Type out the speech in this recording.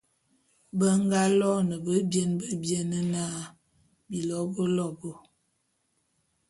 Be nga loene bebiene bebiene na, Bilobôlobô.